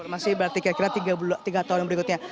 masih berarti kira kira tiga tahun berikutnya